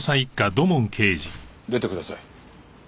出てください。